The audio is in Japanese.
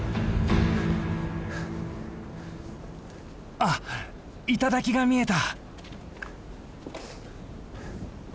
あっ頂が見えた。